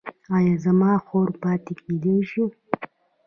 ایا زما خور پاتې کیدی شي؟